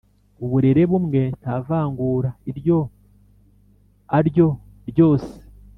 uburere bumwe nta vangura. Iryo arryo ryose